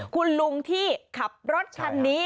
คุณลุงที่ขับรถคันนี้